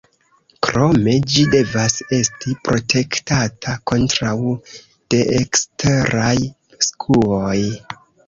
Krome, ĝi devas esti protektata kontraŭ deeksteraj skuoj.